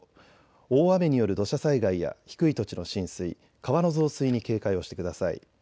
大雨による土砂災害や低い土地の浸水、川の増水に警戒をしてください。